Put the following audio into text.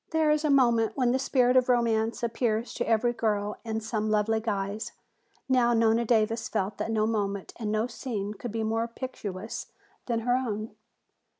There is a moment when the spirit of romance appears to every girl in some lovely guise. Now Nona Davis felt that no moment and no scene could be more picturesque than her own.